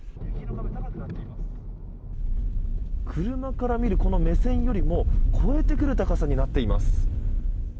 車から見る目線よりも超えてくる高さになっています。